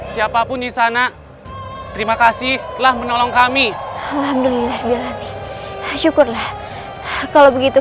siapapun di sana terima kasih telah menolong kami alhamdulillah biar syukurlah kalau begitu